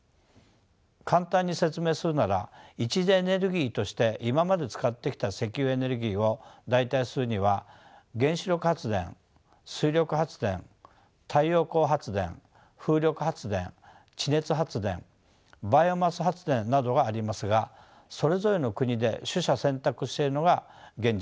簡単に説明するなら一次エネルギーとして今まで使ってきた石油エネルギーを代替するには原子力発電水力発電太陽光発電風力発電地熱発電バイオマス発電などがありますがそれぞれの国で取捨選択しているのが現実です。